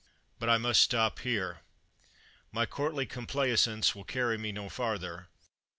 But I must stop here. My courtly complai sance will carry me no farther.